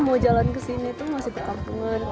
jalan jalan ke sini tuh masih perkampungan